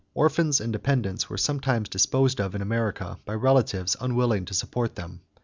Orphans and dependents were sometimes disposed of in America by relatives unwilling to support them.